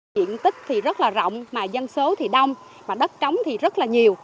diện tích thì rất là rộng mà dân số thì đông mà đất trống thì rất là nhiều